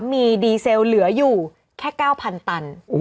มีดีเซลเหลืออยู่แค่๙๐๐ตัน